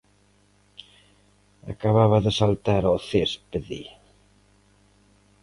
Acababa de saltar ao céspede.